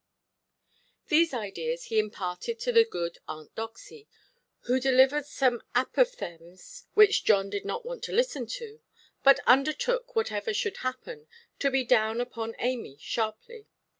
These ideas he imparted to the good Aunt Doxy, who delivered some apophthegms (which John did not want to listen to), but undertook, whatever should happen, to be down upon Amy sharply.